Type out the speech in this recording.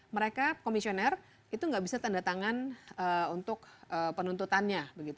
mereka komisioner itu nggak bisa tanda tangan untuk penuntutannya